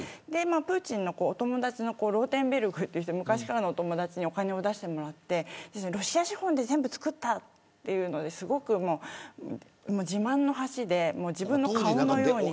プーチンの友達のローテンベルクという昔からのお友達にお金を出してもらってロシア資本で全部造ったということで自慢の橋で自分の顔のように。